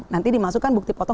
nanti dimasukkan bukti potong